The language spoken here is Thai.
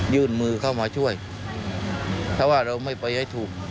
ยื่นมือเข้ามาช่วยถ้าว่าเราไม่ปล่อยให้ถูก